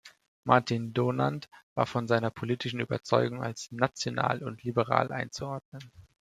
Martin Donandt war von seiner politischen Überzeugung als national und liberal einzuordnen.